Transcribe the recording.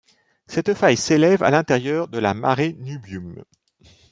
Cette faille s'élève à l'intérieur de la Mare Nubium.